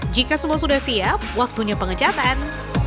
jika semua sudah siap waktunya pengecatan